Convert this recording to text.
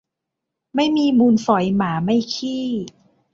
ไม่มีมูลฝอยหมาไม่ขี้